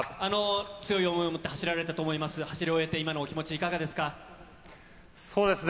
強い想いを持って走られたと思いますが、走り終えて今、いかがですか。